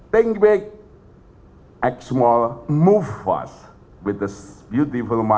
kami berpikir kita harus bergerak dengan hati hati dan hati kuat